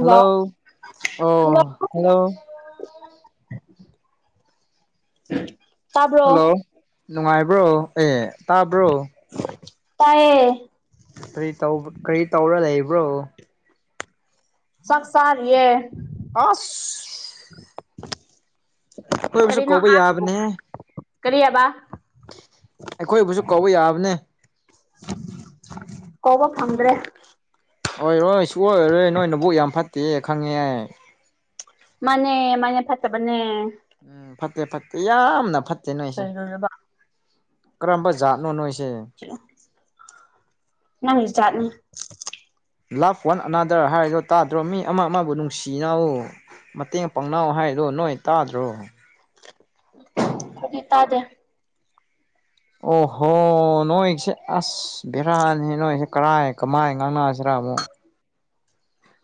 Hello hello ꯑꯣ hello [unintelligible] hello ꯅꯨꯡꯉꯥꯏꯕ꯭ꯔꯣ ꯑꯦ ꯇꯥꯕ꯭ꯔꯣ ꯇꯥꯏꯌꯦ ꯀꯔꯤ ꯀꯔꯤ ꯇꯧꯔ ꯂꯩꯕ꯭ꯔꯣ ꯆꯥꯛ ꯆꯥꯔꯤꯌꯦ ꯑꯥꯁ ꯑꯩꯈꯣꯏꯕꯨꯁꯨ ꯀꯔꯤꯅꯣ ꯀꯧꯕ ꯑꯁ ꯌꯥꯕꯅꯦ ꯀꯔꯤ ꯍꯥꯏꯕ ꯑꯩꯈꯣꯏꯕꯨꯁꯨ ꯀꯧꯕ ꯌꯥꯕꯅꯦ ꯀꯧꯕ ꯐꯪꯗ꯭ꯔꯦ ꯑꯣꯏꯔꯣꯏ ꯁꯨꯛꯑꯣꯏ ꯑꯣꯏꯔꯣꯏ ꯅꯣꯏ ꯅꯕꯨꯛ ꯌꯥꯝ ꯐꯠꯇꯦ ꯈꯪꯉꯦ ꯃꯥꯅꯦ ꯃꯥꯅꯦ ꯐꯠꯇꯕꯅꯦ ꯎꯝ ꯐꯠꯇꯦ ꯐꯠꯇꯦ ꯌꯥꯝꯅ ꯐꯠꯇꯦ ꯅꯣꯏꯁꯦ ꯀꯩꯅꯣꯅꯦꯕ ꯀꯔꯝꯕ ꯖꯥꯠꯅꯣ ꯅꯣꯏꯁꯦ ꯅꯪ ꯖꯥꯠꯅꯦ [inaudible] ꯂꯞ ꯋꯥꯟ ꯑꯅꯥꯗꯔ ꯍꯥꯏꯔꯤꯗꯣ ꯇꯥꯗ꯭ꯔꯣ ꯃꯤ ꯑꯃ ꯑꯃꯕꯨ ꯅꯨꯡꯁꯤꯅꯧ ꯃꯇꯦꯡ ꯄꯥꯡꯅ‌ꯧ ꯍꯥꯏꯗꯣ ꯅꯣꯏ ꯇꯥꯗ꯭ꯔꯣ ꯈꯣꯏꯗꯤ ꯇꯥꯗꯦ ꯑꯣꯍꯣ ꯅꯣꯏꯁꯦ ꯑꯁ ꯕꯦꯔꯥꯅꯤ ꯅꯣꯏꯁꯦ ꯀꯔꯥꯏ ꯀꯃꯥꯏ ꯉꯥꯡꯅꯁꯤꯔꯥ ꯑꯃꯨꯛ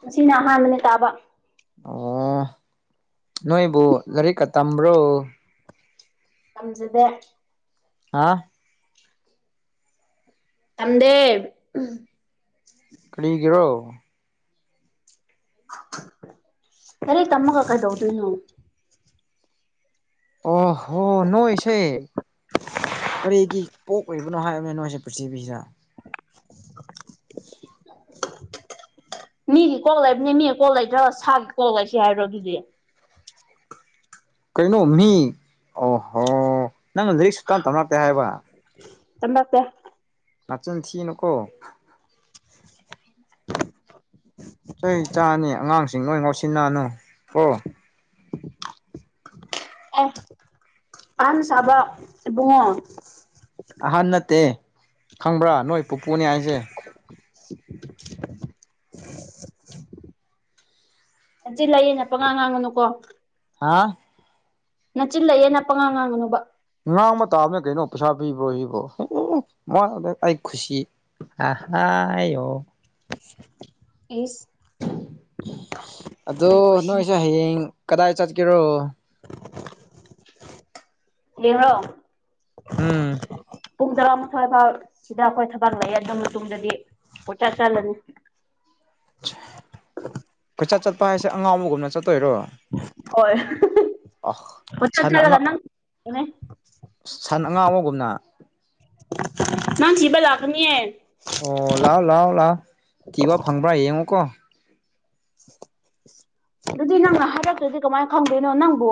ꯉꯁꯤꯅ ꯑꯍꯥꯟꯕꯅꯦ ꯇꯥꯕ ꯑꯣ ꯅꯣꯏꯕꯨ ꯂꯥꯏꯔꯤꯛꯀ ꯇꯝꯕ꯭ꯔꯣ ꯇꯝꯖꯗꯦ ꯍꯥ ꯇꯝꯗꯦ ꯀꯔꯤꯒꯤꯔꯣ ꯂꯥꯏꯔꯤꯛ ꯇꯝꯃꯒ ꯀꯩꯗꯧꯗꯣꯏꯅꯣ ꯑꯣ ꯍꯣ ꯅꯣꯏꯁꯦ ꯀꯔꯤꯒꯤ ꯄ‌ꯣꯛꯏꯕꯅ꯫ ꯂꯩꯕꯅꯣ ꯍꯥꯏꯕꯅꯦ ꯅꯣꯏꯁꯦ ꯄ꯭ꯔꯤꯊꯤꯕꯤꯁꯤꯗ [inaudible] ꯃꯤꯒꯤ ꯀꯣꯛꯜ ꯂꯩꯕꯅꯤ ꯃꯤꯒꯤ ꯀꯣꯜ ꯂꯩꯇ꯭ꯔ ꯁꯥꯒꯤ ꯀꯣꯛ ꯂꯩꯁꯤ ꯍꯥꯏꯔꯣ ꯑꯗꯨꯗꯤ ꯀꯩꯅꯣ ꯃꯤ ꯑꯣꯍꯣ ꯅꯪꯅ ꯂꯥꯏꯔꯤꯛ ꯁꯨꯛꯇꯥꯟ ꯇꯞꯅꯛꯇꯦ ꯍꯥꯏꯕ ꯇꯝꯃꯛꯇꯦ ꯅꯥꯆꯤꯟ ꯊꯅꯨꯀꯣ [inaudible] ꯆꯍꯤ ꯆꯥꯅꯤ ꯑꯉꯥꯡꯁꯤꯡ ꯂꯣꯏ ꯉꯥꯎꯁꯤꯟꯅꯅꯨ ꯀꯣ ꯑꯦ ꯑꯍꯟ ꯁꯥꯕ ꯏꯕꯨꯨꯡꯉꯣ ꯑꯍꯟ ꯅꯠꯇꯦ ꯈꯪꯕ꯭ꯔꯥ ꯅꯣꯏ ꯄꯨꯄꯨꯅꯤ ꯍꯥꯏꯁꯦ [inaudible] [inaudible] ꯆꯤꯂꯩꯌꯦꯅ ꯄꯉ ꯉꯥꯡꯉꯅꯨꯀꯣ ꯍꯥ ꯅꯥꯆꯤꯂꯛꯑꯌꯦꯅ ꯄꯉꯥ ꯉꯥꯡꯉꯅꯨꯕ ꯉꯥꯡꯕ ꯇꯥꯕꯅꯦ ꯀꯩꯅꯣ ꯄꯩꯁꯥ ꯄꯤꯕ꯭ꯔꯣ ꯁꯤꯕꯣ ꯎ ꯑꯩ ꯈꯨꯁꯤ ꯑꯍ ꯌꯣ ꯏꯁ ꯑꯗꯣ ꯑꯩ ꯅꯣꯏꯁꯦ ꯈꯨꯁꯤꯈꯔꯦ ꯍꯌꯦꯡ ꯀꯗꯥꯏ ꯆꯠꯀꯦꯔꯣ ꯂꯤꯍꯣ ꯎꯝ ꯄꯨꯡ ꯇꯔꯥꯃꯥꯊꯣꯏ ꯐꯥꯎ ꯁꯤꯗ ꯑꯩꯈꯣꯏ ꯊꯕꯛ ꯂꯩꯔꯕ ꯃꯇꯨꯡꯗꯗꯤ ꯄꯣꯏ ꯆꯠ ꯆꯠꯂꯅꯤ ꯀꯣꯏꯆꯠ ꯆꯠꯄ ꯍꯥꯏꯁꯦ ꯑꯉꯥꯎꯕꯒꯨꯝꯅ ꯆꯠꯇꯣꯏꯔꯣ ꯍꯣꯏꯁ ꯑ ꯀꯣꯆꯠ ꯁꯟ ꯆꯠꯂꯒ ꯑꯉꯥ ꯅꯪ ꯊꯝꯃꯦ ꯁꯟ ꯑꯉꯥꯡ ꯑꯃꯒꯨꯝꯅ ꯅꯪꯊꯤꯕ ꯂꯥꯛꯀꯅꯤꯌꯦ ꯑꯣ ꯂꯥꯛꯑꯣ ꯂꯥꯛꯑꯣ ꯂꯥꯛꯑꯣ ꯀꯤꯕ ꯐꯪꯕ꯭ꯔꯥ ꯌꯦꯡꯉꯣꯀꯣ ꯑꯗꯨꯗꯤ ꯅꯪꯅ ꯍꯥꯏꯔꯛꯇ꯭ꯔꯗꯤ ꯀꯃꯥꯏꯅ ꯈꯪꯗꯣꯏꯅꯣ ꯅꯪꯕꯨ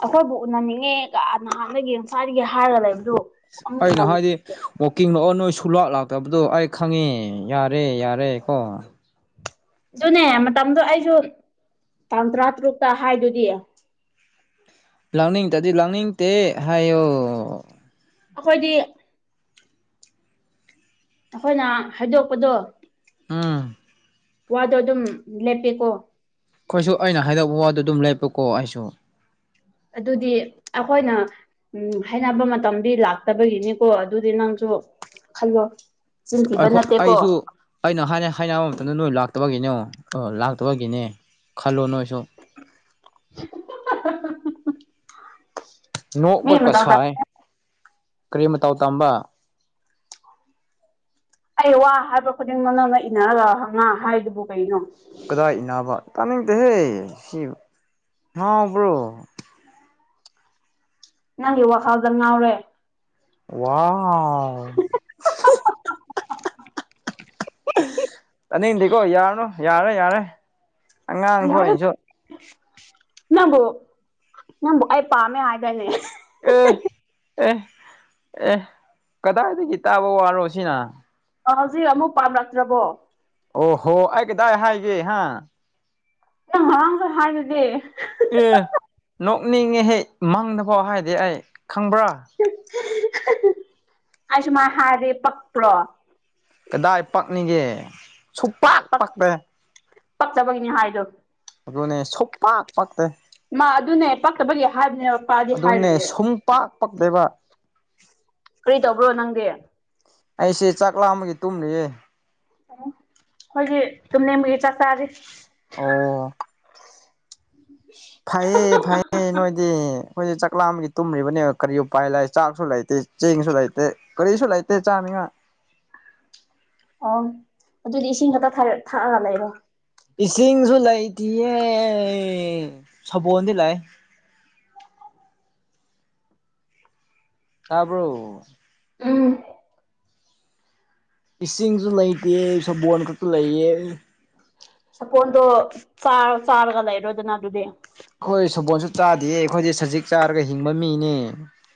ꯑꯩꯈꯣꯏꯕꯨ ꯎꯅꯟꯅꯤꯡꯉꯦ ꯅꯍꯥꯟꯗꯒꯤ ꯅꯋꯥꯏꯗꯒꯤ ꯍꯥꯏꯔꯒ ꯂꯩꯕꯗꯨ ꯑꯃꯨꯛ ꯑꯩꯅ ꯎꯅꯅꯤꯡ ꯍꯥꯏꯗꯦ ꯋꯥꯛꯀꯤꯡ ꯂꯥꯛꯑꯣ ꯅꯣꯏ ꯁꯨꯂꯥ ꯂꯥꯛꯇꯕꯗꯣ ꯑꯩ ꯈꯪꯉꯦ ꯌꯥꯔꯦ ꯌꯥꯔꯦ ꯀꯣ ꯑꯗꯨꯅꯦ ꯃꯇꯝꯗꯣ ꯑꯩꯁꯨ ꯇꯥꯡ ꯇꯔꯥ ꯇꯔꯨꯛꯇ ꯍꯥꯏꯗꯣꯏꯗꯤ ꯂꯥꯛꯅꯤꯡꯗꯗꯤ ꯂꯥꯛꯅꯤꯡꯗꯦ ꯍꯥꯏꯌꯣ ꯑꯩꯈꯣꯏꯗꯤ ꯑꯩꯈꯣꯏꯅ ꯍꯥꯏꯗꯣꯛꯄꯗꯣ ꯎꯝ ꯋꯥꯗꯣ ꯑꯗꯨꯝ ꯂꯦꯞꯄꯤꯀꯣ ꯑꯩꯈꯣꯏꯁꯨ ꯑꯩꯅ ꯍꯥꯏꯗꯛꯄ ꯋꯥꯗꯣ ꯑꯗꯨꯝ ꯂꯩꯞꯄꯀꯣ ꯑꯩꯁꯨ ꯑꯗꯨꯗꯤ ꯑꯩꯈꯣꯏꯅ ꯎꯝ ꯍꯥꯏꯅꯕ ꯃꯇꯝꯗꯤ ꯂꯥꯛꯇꯕꯒꯤꯅꯤꯀꯣ ꯑꯗꯨꯗꯤ ꯅꯪꯁꯨ ꯈꯜꯂꯣ ꯆꯤꯟ ꯊꯤꯕ ꯑꯩꯈꯣꯏ ꯅꯠꯇꯦꯀꯣ ꯑꯩꯁꯨ ꯑꯩꯅ ꯍꯥꯏ ꯍꯥꯏꯅꯕ ꯃꯇꯝꯗ ꯅꯣꯏ ꯂꯥꯛꯇꯕꯒꯤꯅꯦ ꯑꯣ ꯂꯥꯛꯇꯕꯒꯤꯅꯦ ꯈꯜꯂꯣ ꯅꯣꯏꯁꯨ ꯍꯍꯥ ꯃꯤ ꯅꯣꯛꯄ ꯀ ꯃꯇꯝꯗ ꯁꯥꯏ ꯀꯔꯤ ꯃꯇꯥꯎ ꯇꯥꯝꯕ ꯑꯩ ꯋꯥ ꯍꯥꯏꯕ ꯈꯨꯗꯤꯡꯃꯛꯅꯅ ꯏꯟꯅꯔꯒ ꯍ ꯉꯥ ꯍꯥꯏꯗꯨꯕꯨ ꯀꯩꯅꯣ ꯀꯗꯥꯏ ꯏꯅꯥꯕ ꯇꯥꯅꯤꯡꯗꯦꯍꯦ ꯁꯤ ꯉꯥꯎꯕ꯭ꯔꯣ ꯅꯪꯒꯤ ꯋꯥꯈꯜꯗ ꯉꯥꯎꯔꯦ ꯋꯥ ꯑꯥꯅꯤꯡꯗꯤꯀꯣ ꯌꯥꯔꯅꯨ ꯌꯥꯔꯦ ꯌꯥꯔꯦ ꯑꯉꯥꯡꯈꯣꯏꯅꯁꯨ ꯅꯪꯕꯨ ꯅꯪꯕꯨ ꯑꯩ ꯄꯥꯝꯃꯦ ꯍꯥꯏꯒꯅꯦ ꯑꯦ ꯑꯦ ꯑꯦ ꯀꯗꯥꯏꯗꯒꯤ ꯇꯥꯕ ꯋꯥꯔꯣ ꯁꯤꯅ ꯑ ꯍꯧꯖꯤꯛ ꯑꯃꯨꯛ ꯄꯥꯝꯂꯛꯇ꯭ꯔꯕꯣ ꯑꯣ ꯍꯣ ꯑꯩ ꯀꯗꯥꯏ ꯍꯥꯏꯒꯦ ꯍꯥ [unintelligible] ꯉꯔꯥꯡꯁꯩ ꯍꯥꯏꯗꯨꯗꯤ ꯑꯦ ꯅꯣꯛꯅꯤꯡꯉꯦꯍꯦ ꯃꯪꯗꯐꯥꯎ ꯍꯥꯏꯗꯦ ꯑꯩ ꯈꯪꯕ꯭ꯔꯥ [unintelligible] ꯑꯩ ꯁꯨꯃꯥꯏ ꯍꯥꯏꯔꯦ ꯄꯛꯄ꯭ꯔꯣ ꯀꯗꯥꯏ ꯄꯛꯅꯤꯒꯦ ꯁꯨꯛ ꯄꯛ ꯄꯛꯇꯦ ꯄꯛꯇꯕꯩꯒꯤꯅꯤ ꯍꯥꯏꯗꯣ ꯑꯗꯨꯅꯦ ꯁꯨꯡ ꯄꯛ ꯄꯛꯇꯦ ꯃꯥ ꯑꯗꯨꯅꯦ ꯄꯛꯇꯕꯒꯤ ꯍꯥꯏꯕꯅꯦ ꯄꯛꯑꯗꯤ ꯍꯥꯏꯔꯣꯏꯑꯦ ꯄꯛ ꯄꯛ ꯇꯦꯕ ꯀꯔꯤ ꯇꯧꯕ꯭ꯔꯣ ꯅꯪꯗꯤ ꯑꯩꯁꯦ ꯆꯥꯛ ꯂꯥꯝꯕꯒꯤ ꯇꯨꯝꯔꯤꯌꯦ ꯎ ꯑꯩꯈꯣꯏꯒꯤ ꯇꯨꯝꯅꯤꯡꯕꯒꯤ ꯆꯥꯛ ꯆꯥꯔꯤ ꯑꯣ ꯐꯩꯌꯦ ꯐꯩꯌꯦ ꯅꯣꯏꯗꯤ ꯑꯩꯈꯣꯏꯗꯤ ꯆꯥꯛ ꯂꯥꯝꯕꯒꯤ ꯇꯨꯝꯔꯤꯕꯅꯦ ꯀꯔꯤ ꯎꯄꯥꯏ ꯂꯩꯥ ꯆꯥꯛꯁꯨ ꯂꯩꯇꯦ ꯆꯦꯡꯁꯨ ꯂꯩꯇꯦ ꯀꯔꯤꯁꯨ ꯂꯩꯇꯦ ꯆꯥꯅꯤꯉꯥꯏ ꯑꯣ ꯑꯗꯨꯗꯤ ꯏꯁꯤꯡ ꯈꯛꯇ ꯊꯥꯛꯑꯒ ꯂꯩꯔꯣ ꯏꯁꯤꯡꯁꯨ ꯂꯩꯇꯤꯌꯦ ꯁꯕꯣꯜꯗꯤ ꯂꯩ ꯇꯥꯕ꯭ꯔꯣ ꯎꯝ ꯏꯁꯤꯡꯁꯨ ꯂꯩꯇꯦ ꯁꯕꯣꯜ ꯈꯛꯇ ꯂꯩꯌꯦ ꯁꯄꯣꯟꯜꯗꯣ ꯆꯥꯔ ꯆꯥꯔꯒ ꯂꯩꯔꯣꯗꯅ ꯑꯗꯨꯗꯤ ꯑꯩꯈꯣꯏ ꯁꯕꯣꯜꯁꯨ ꯆꯥꯗꯦꯌꯦ ꯑꯩꯈꯣꯏꯗꯤ ꯁꯖꯤꯛ ꯆꯥꯔꯒ ꯍꯤꯡꯕ ꯃꯤꯅꯦ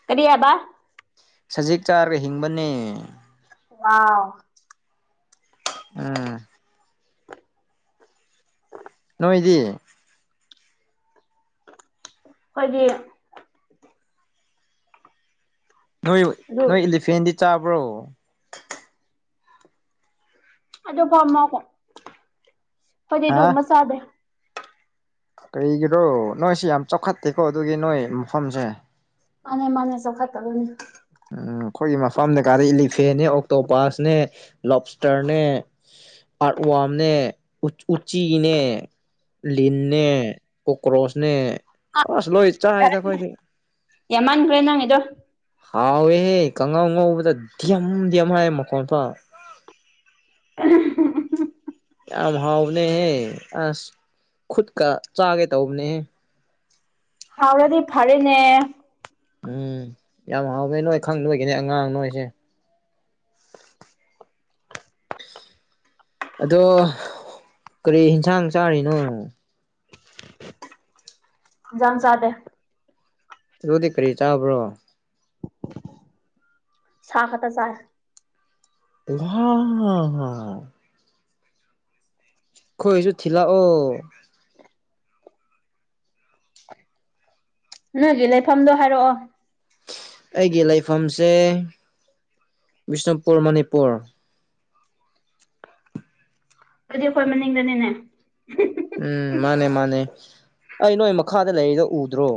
ꯀꯔꯤ ꯍꯥꯏꯕ ꯁꯖꯤꯛ ꯆꯥꯔꯒ ꯍꯤꯡꯕꯅꯦ [unintelligible] ꯎꯝ ꯍꯣꯏꯗꯤ ꯑꯩꯈꯣꯏꯒꯤ ꯅꯣꯏ ꯑꯗꯨ ꯅꯣꯏ ꯏꯂꯤꯐꯦꯟꯗꯤ ꯆꯥꯕ꯭ꯔꯣ [unintelligible] ꯈꯣꯏꯗꯤ ꯍꯥ ꯑꯗꯨꯒꯨꯝꯕ ꯆꯥꯗꯦ ꯀꯩꯔꯤꯒꯤꯔꯣ ꯅꯣꯏꯁꯤ ꯌꯥꯝ ꯆꯥꯎꯈꯠꯇꯦꯀꯣ ꯑꯗꯨꯒꯤ ꯅꯣꯏ ꯃꯐꯝꯁꯦ ꯃꯥꯅꯦ ꯃꯥꯅꯦ ꯆꯥꯎꯈꯠꯇꯕꯅꯦ ꯑꯩꯈꯣꯏꯒꯤ ꯃꯐꯝꯗ ꯀꯥꯗꯤ ꯏꯂꯤꯐꯦꯟꯅꯦ ꯑꯣꯛꯇꯣ ꯄꯁꯅꯦ ꯂꯣꯞꯁꯇꯔꯅꯦ ꯑꯥꯔꯠ ꯋꯥꯝꯅꯦ ꯎꯆꯤꯅꯦ ꯂꯤꯟꯅꯦ ꯀꯣꯛꯀ꯭ꯔꯣꯁꯅꯦ ꯑꯁ ꯂꯣꯏ ꯆꯥꯏꯗ ꯑꯩꯈꯣꯏꯗꯤ ꯌꯥꯃꯥꯟꯈ꯭ꯔꯦ ꯅꯪꯒꯤꯗꯣ ꯍꯥꯎꯋꯦꯍꯦ ꯀꯪꯒꯥꯥꯎ ꯉꯧꯕꯗ ꯙꯌꯝ ꯙꯌꯝ ꯍꯥꯏ ꯃꯈꯣꯟ ꯊꯣꯛ ꯌꯥꯝ ꯍꯥꯎꯕꯅꯦꯍꯦ ꯑꯁ ꯈꯨꯠꯀ ꯆꯥꯒꯦ ꯇꯧꯕꯅꯦꯍꯦ ꯍꯥꯎꯔꯥꯗꯤ ꯐꯔꯦꯅꯦ ꯎꯝ ꯌꯥꯝ ꯍꯥꯎꯕꯅꯦ ꯅꯣꯏ ꯈꯪꯗꯕꯒꯤꯅꯤ ꯑꯉꯥꯡ ꯅꯣꯏꯁꯦ ꯑꯗꯣ ꯀꯔꯤ ꯌꯦꯟꯁꯥꯡ ꯆꯥꯔꯤꯅꯣ ꯏꯟꯁꯥꯡ ꯆꯥꯗꯦ ꯑꯗꯨꯗꯤ ꯀꯔꯤ ꯆꯥꯕ꯭ꯔꯣ ꯁꯥ ꯈꯛꯇ ꯆꯥꯏ [unintelligible] ꯈꯣꯏꯁꯨ ꯊꯤꯂꯛ ꯑꯣ ꯅꯪꯒꯤ ꯂꯩꯐꯝꯗꯣ ꯍꯥꯏꯔꯛꯑꯣ ꯑꯩꯒꯤ ꯂꯩꯐꯝꯁꯦ ꯕꯤꯁꯅꯨꯄꯨꯔ ꯃꯅꯤꯄꯨꯔ ꯑꯗꯨꯗꯤ ꯑꯩꯈꯣꯏ ꯃꯅꯤꯡꯗꯅꯤꯅꯦ [unintelligible] ꯎꯝ ꯃꯥꯅꯦ ꯃꯥꯅꯦ ꯑꯩ ꯅꯣꯏ ꯃꯈꯥꯗ ꯂꯩꯔꯤꯗꯣ ꯎꯗ꯭ꯔꯣ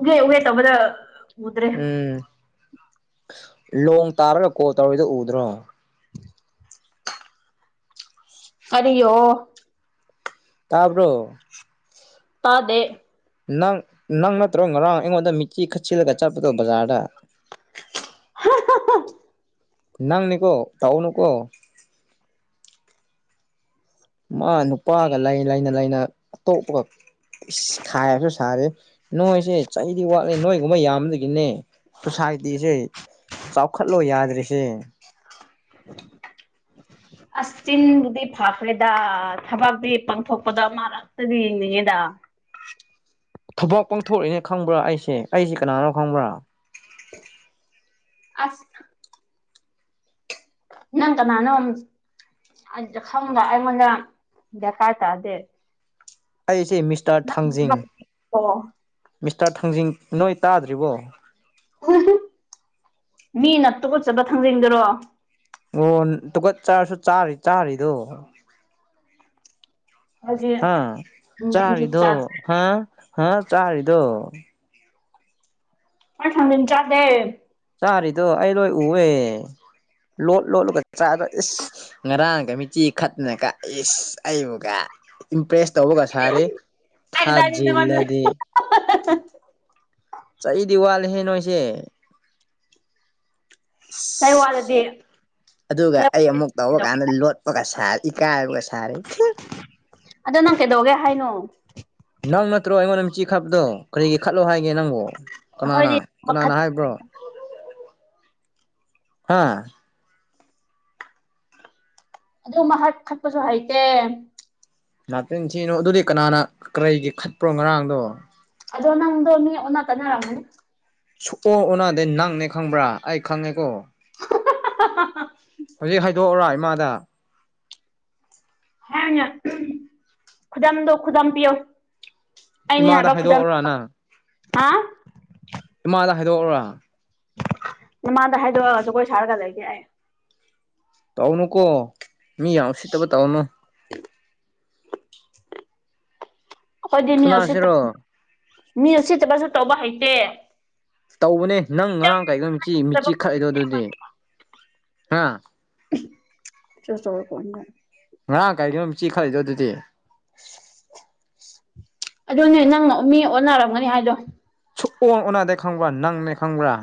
ꯎꯒꯦ ꯎꯒꯦ ꯇꯧꯕꯗ ꯎꯗ꯭ꯔꯦ ꯎꯝ ꯂꯣꯡ ꯇꯥꯔꯒ ꯀꯣꯜ ꯇꯧꯔꯔꯤꯗ ꯎꯗ꯭ꯔꯣ ꯀꯔꯤꯌꯣ ꯇꯥꯕ꯭ꯔꯣ ꯇꯥꯗꯦ ꯅꯪ ꯅꯪ ꯅꯠꯇ꯭ꯔꯣ ꯉꯔꯥꯡ ꯑꯩꯉꯣꯟꯗ ꯃꯤꯆꯤ ꯈꯠꯆꯜꯂꯒ ꯆꯠꯄꯗꯣ ꯕꯖꯥꯔꯗ [unintelligible] ꯅꯪꯅꯤꯀꯣ ꯇꯥꯎꯅꯨꯀꯣ ꯃꯥ ꯅꯨꯄꯥꯒ ꯂꯩꯅ ꯂꯩꯅ ꯑꯇꯣꯞꯄꯒ ꯏꯁ ꯈꯥꯏꯔꯁꯨ ꯁꯥꯔꯦ ꯅꯣꯏꯁꯦ ꯆꯩꯗꯤ ꯋꯥꯠꯂꯤꯦ ꯅꯣꯏꯒꯨꯝꯕ ꯌꯥꯝꯕꯗꯒꯤꯅꯦ ꯁꯣꯁꯥꯏꯇꯤꯁꯦ ꯆꯥꯎꯈꯠꯂꯣ ꯌꯥꯗ꯭ꯔꯤꯁꯦ ꯑꯁ ꯆꯤꯟꯕꯨꯗꯤ ꯐꯈ꯭ꯔꯦꯗ ꯊꯕꯛꯇꯤ ꯄꯥꯡꯊꯣꯛꯄꯗ ꯑꯃ ꯉꯛꯇꯗꯤ ꯌꯦꯡꯅꯤꯡꯉꯦꯗ ꯊꯧꯕꯥꯛ ꯄꯥꯡꯊꯣꯔꯛꯏꯅꯦ ꯈꯪꯕ꯭ꯔꯥ ꯑꯩꯁꯦ ꯑꯩꯁꯦ ꯀꯅꯥꯅꯣ ꯈꯪꯕ꯭ꯔꯥ ꯑꯁ ꯅꯪ ꯀꯅꯥꯅꯣ ꯈꯪꯕ ꯑꯩꯉꯣꯟꯗ ꯗꯔꯀꯥꯔ ꯇꯥꯗꯦ ꯑꯩꯁꯦ ꯃꯤꯁꯇꯔ ꯊꯥꯡꯖꯤꯡ ꯑꯣ ꯃꯤꯁꯇꯔ ꯊꯥꯡꯖꯤꯡ ꯅꯣꯏ ꯇꯥꯗ꯭ꯔꯤꯕꯣ ꯃꯤꯅ ꯇꯨꯀꯠꯆꯥꯕ ꯊꯥꯡꯖꯤꯡꯗꯨꯔꯣ ꯑꯣ ꯇꯨꯀꯠ ꯆꯥꯔꯁꯨ ꯆꯥꯔꯤ ꯆꯥꯔꯤꯗꯣ ꯍꯧꯖꯤꯛ ꯍꯥ ꯊꯥꯡꯖꯤꯡꯁꯨ ꯆꯔꯤꯗꯣ ꯆꯥꯁꯦ ꯍꯥ ꯍꯥ ꯆꯥꯔꯗꯣ ꯑꯩ ꯊꯥꯡꯖꯤꯡ ꯆꯥꯗꯦ ꯆꯥꯔꯤꯗꯣ ꯑꯩ ꯂꯣꯏ ꯎꯑꯦ ꯂꯣꯠ ꯂꯣꯠꯂꯒ ꯆꯥꯔ ꯏꯁ ꯉꯔꯥꯡꯒ ꯃꯤꯠꯆꯤ ꯈꯠꯂꯥꯅꯒ ꯏꯁ ꯑꯩꯕꯨꯒ ꯏꯝꯄ꯭ꯔꯦꯁ ꯇꯧꯕꯒ ꯁꯥꯔꯤ ꯀꯗꯥꯏꯗꯒꯤ ꯅꯉꯣꯟꯗ ꯊꯥꯖꯤꯜꯂꯗꯤ [unintelligible] ꯆꯥꯛꯗꯤ ꯋꯥꯠꯂꯦꯍꯦ ꯅꯣꯏꯁꯦ ꯆꯩ ꯋꯥꯠꯂꯗꯤ ꯑ ꯑꯗꯨꯒ ꯑꯩ ꯑꯃꯨꯛ ꯇꯔ ꯀꯥꯟꯗ ꯂꯣꯠ ꯑꯣ ꯁꯥ ꯏꯀꯒ ꯁꯔꯤ ꯑꯗꯣ ꯅꯪ ꯀꯩꯗꯧꯒꯦ ꯍꯥꯏꯅꯣ ꯅꯪ ꯅꯠꯇ꯭ꯔꯣ ꯑꯩꯉꯣꯟꯗ ꯃꯤꯆꯤ ꯈꯥꯕꯗꯣ ꯀꯔꯤꯒꯤ ꯈꯠꯂꯣ ꯍꯥꯏꯒꯦ ꯅꯪꯕꯨ ꯀꯅꯥꯅ ꯑꯩꯈꯣꯏꯗꯤ ꯀꯅꯥꯅ ꯃꯈꯠ ꯍꯥꯏꯕ꯭ꯔꯣ ꯍꯥꯥ ꯑꯗꯨ ꯃꯍꯛ ꯊꯠꯄꯁꯨ ꯍꯩꯇꯦ ꯅꯥꯇꯤꯟ ꯊꯤꯅꯣ ꯑꯗꯨꯗꯤ ꯀꯅꯥꯅ ꯀꯔꯤꯒꯤ ꯈꯠꯄ꯭ꯔꯣ ꯉꯔꯥꯡꯗꯣ ꯑꯗꯨꯗꯣꯅꯣ ꯃꯤ ꯑꯣ ꯀꯟꯔꯝꯅꯤ ꯁꯨ ꯑꯣ ꯑꯣꯗꯩ ꯅꯪꯅꯦ ꯈꯪꯕ꯭ꯔꯥ ꯑꯩ ꯈꯪꯉꯦꯀꯣ [unintelligible] ꯍꯧꯖꯤꯛ ꯍꯥꯏꯗꯣꯛꯎꯔ ꯏꯃꯥꯗ ꯈꯨꯗꯥꯗꯝꯗꯣ ꯈꯨꯗꯥꯝ ꯄꯤꯌꯣ ꯑꯩꯅ ꯏꯃꯥꯗ ꯌꯥꯕ ꯈꯨꯗꯝ ꯍꯥꯏꯗꯣꯛꯑꯣꯔꯥ ꯅꯪ ꯏꯃꯥꯗ ꯍꯥꯏꯗꯣꯛꯔꯥ ꯅꯃꯗ ꯍꯥꯏꯗꯣꯛꯑꯒꯁꯨ ꯑꯩꯈ ꯁꯥꯔꯀꯗꯒꯦ ꯇꯧꯅꯨꯀꯣ ꯃꯤ ꯌꯥꯝ ꯁꯤꯠꯇꯕ ꯇꯧꯎꯅꯨ ꯑꯩꯈꯣꯏꯗꯤ ꯃꯤ ꯎꯁꯤꯠꯇꯕ ꯐꯨꯅꯁꯤꯔꯣ ꯃꯤ ꯎꯁꯤꯠꯇꯕꯁꯨ ꯇꯧꯕ ꯍꯩꯇꯦ ꯇꯧꯕꯅꯦ ꯅꯪ ꯉꯔꯥꯡ ꯀꯥꯏꯗꯣꯤ ꯃꯤꯆꯤ ꯈꯛꯂꯤꯗꯣ ꯑꯗꯨꯗꯤ ꯍꯥ [unintelligible] ꯉꯔꯥꯡ ꯀꯥꯏꯗꯣ ꯃꯤꯠꯆꯤ ꯈꯠꯂꯤꯗꯣ ꯑꯗꯨꯗꯤ ꯑꯗꯨꯅꯦ ꯅꯪ ꯃꯤ ꯑꯣꯟꯅꯔꯝꯒꯅꯤ ꯍꯥꯏꯗꯣ ꯁꯨꯡ ꯑꯣꯟꯅꯥꯗꯦ ꯈꯪꯕ꯭ꯔꯥ ꯅꯪ ꯅꯩꯅꯤ ꯈꯪꯕ꯭ꯔꯥ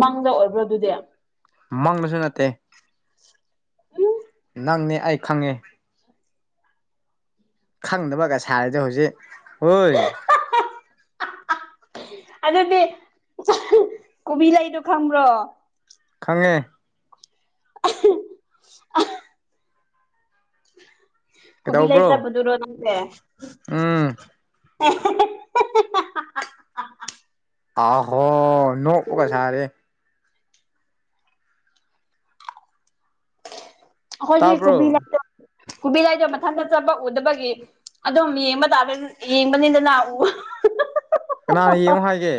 ꯃꯪꯗ ꯑꯣꯏꯕ꯭ꯔꯣ ꯑꯗꯨꯗꯤ ꯃꯪꯗꯥꯁꯨ ꯅꯠꯇꯦ ꯎꯝ ꯅꯪꯅꯦ ꯑꯩꯥ ꯈꯪꯉꯦ ꯈꯪꯗꯕꯒꯥ ꯁꯥꯔꯤꯗꯣ ꯍꯧꯖꯤꯛ ꯍꯣꯏ ꯑꯗꯨꯗꯤ ꯀꯣꯕꯤ ꯂꯩꯗꯣ ꯈꯪꯕ꯭ꯔꯣ ꯈꯪꯉꯦ [unintelligible] ꯀꯣꯕꯤ ꯂꯩ ꯀꯩꯗꯧꯕ꯭ꯔꯣ ꯆꯥꯕꯗꯨꯔꯣ ꯑꯗꯨꯗꯤ ꯎꯝ [unintelligible] ꯑꯍꯣ ꯅꯣꯛꯄꯒꯥ ꯁꯥꯔꯤ ꯑꯩꯈꯣꯏꯒꯤ ꯇꯥꯕ꯭ꯔꯣ ꯀꯣꯕꯤ ꯂꯩꯗꯣ ꯀꯣꯕꯤ ꯂꯩꯗꯣ ꯃꯊꯟꯇ ꯆꯠꯄ ꯎꯗꯕꯒꯤ ꯑꯗꯨꯝ ꯌꯦꯡꯕ ꯇꯥꯕ ꯌꯦꯡꯕꯅꯤꯗꯅꯥ ꯎ ꯀꯅꯥꯅ ꯌꯦꯡꯉꯣ ꯍꯥꯏꯒꯦ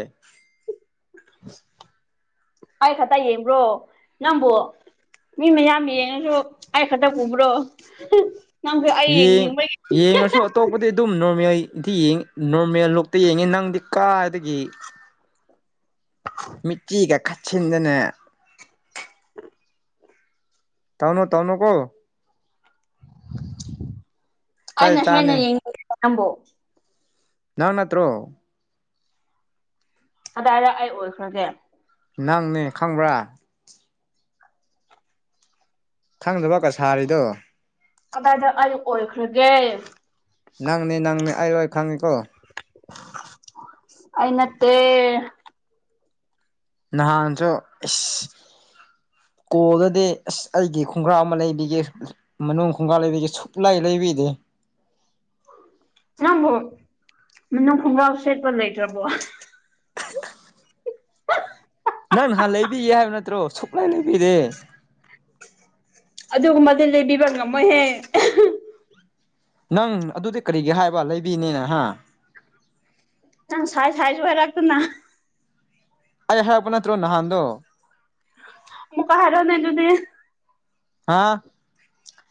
ꯑꯩ ꯈꯛꯇ ꯌꯦꯡꯕ꯭ꯔꯣ ꯅꯪꯕꯨ ꯃꯤ ꯃꯌꯥꯝ ꯌꯦꯡꯉꯁꯨ ꯑꯩ ꯈꯛꯇ ꯎꯕ꯭ꯔꯣ ꯅꯪꯕꯨ ꯑꯩ ꯌꯦꯡ ꯌꯦꯡꯅꯤꯡꯕꯒꯤ ꯌꯦꯡꯉꯁꯨ ꯑꯇꯣꯞꯄꯗꯤ ꯑꯗꯨꯝ ꯅꯣꯔꯃꯦꯜ ꯏꯊꯤꯡ ꯅꯣꯔꯃꯦꯜ ꯂꯨꯛꯇ ꯌꯦꯡꯉꯤ ꯅꯪꯗꯤ ꯀꯥꯏꯗꯒꯤ ꯃꯤꯠꯆꯤꯒꯥ ꯈꯠ ꯁꯤꯟꯗꯅ [unintelligible] ꯇꯧꯅꯨ ꯇꯧꯅꯨꯀꯣ ꯆꯩ ꯑꯩꯅ ꯍꯦꯟꯅ ꯆꯥꯅꯤ ꯌꯦꯡꯅꯤꯡ [unintelligible] ꯅꯪꯕꯨ ꯅꯪ ꯅꯠꯇ꯭ꯔꯣ ꯀꯗꯥꯏꯗ ꯑꯩ ꯑꯣꯏꯈ꯭ꯔꯒꯦ ꯅꯪꯅꯦ ꯈꯪꯕ꯭ꯔꯥ ꯈꯪꯗꯕꯒ ꯁꯥꯔꯤꯗꯣ ꯀꯗꯥꯏꯗ ꯑꯩ ꯑꯣꯏꯈ꯭ꯔꯒꯦ ꯅꯪꯅꯦ ꯅꯪꯅꯦ ꯑꯩ ꯂꯣꯏ ꯈꯪꯉꯤꯀꯣ ꯑꯩ ꯅꯠꯇꯦ ꯅꯍꯥꯟꯁꯨ ꯏꯁ ꯀꯣꯜꯗꯗꯤ ꯑꯁ ꯑꯩꯒꯤ ꯈꯣꯡꯒ꯭ꯔꯥꯎ ꯑꯃ ꯂꯩꯕꯤꯒꯦ ꯃꯅꯨꯡ ꯈꯣꯡꯒꯥꯎ ꯂꯩꯕꯤꯒꯦ ꯁꯨꯛꯂꯩ ꯂꯩꯕꯤꯗꯦ ꯅꯪꯕꯣ ꯃꯅꯨꯡ ꯈꯣꯡꯒꯥꯎ ꯁꯦꯠꯄ ꯂꯩꯇ꯭ꯔꯕꯣ ꯅꯪ ꯅꯍꯥꯟ ꯂꯩꯕꯤꯒꯦ ꯍꯥꯏꯕ ꯅꯠꯇ꯭ꯔꯣ ꯁꯨꯛꯂꯩ ꯂꯩꯕꯤꯗꯦ ꯑꯗꯨꯒꯨꯝꯕꯗꯤ ꯂꯩꯕꯤꯕ ꯉꯝꯃꯣꯏꯍꯦ ꯅꯪ ꯑꯗꯨꯗꯤ ꯀꯔꯤꯒꯤ ꯍꯥꯏꯕ ꯂꯩꯕꯤꯅꯤꯅ ꯍꯥ ꯅꯪ ꯁꯥꯏꯁ ꯍꯥꯏꯁꯨ ꯍꯥꯏꯔꯛꯇꯅꯥ ꯑꯩ ꯍꯥꯏꯔꯛꯄ ꯅꯠꯇ꯭ꯔꯣ ꯅꯍꯥꯟꯗꯣ ꯑꯃꯨꯛꯀ ꯍꯥꯏꯔꯛꯑꯣꯅꯦꯗꯨꯗꯤ ꯍꯥꯥ